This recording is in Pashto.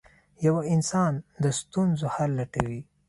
• پوه انسان د ستونزو حل لټوي.